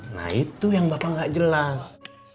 nah itu yang bapak nggak jelas